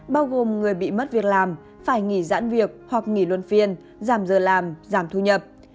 bao gồm người bị mất việc làm phải nghỉ giãn việc hoặc nghỉ luân phiên giảm giờ làm giảm thu nhập